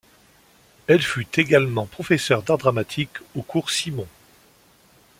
Elle fut également professeur d’art dramatique au Cours Simon.